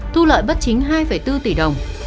thu lợi bất chính hai bốn tỷ đồng